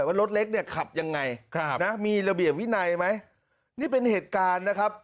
ว่ารถเล็กเนี่ยขับยังไงครับนะมีระเบียบวินัยไหมนี่เป็นเหตุการณ์นะครับ